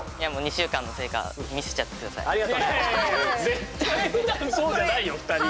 絶対ふだんそうじゃないよ２人は。